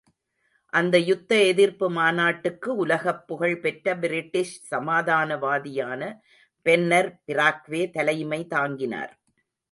அந்த யுத்த எதிர்ப்பு மாநாட்டுக்கு உலகப் புகழ் பெற்ற பிரிட்டிஷ் சமாதானவாதியான பென்னர் பிராக்வே தலைமை தாங்கினார்.